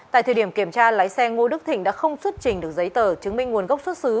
tại thời điểm kiểm tra lái xe ngô đức thịnh đã không xuất trình được giấy tờ chứng minh nguồn gốc xuất xứ